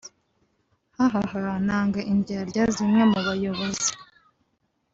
Hahahahhah nanga indyarya zimwe mu bayobozi